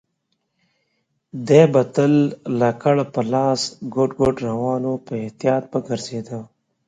دی به تل لکړه په لاس ګوډ ګوډ روان و، په احتیاط به ګرځېده.